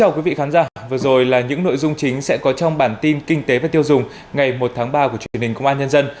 chào mừng quý vị đến với bản tin kinh tế và tiêu dùng ngày một tháng ba của truyền hình công an nhân dân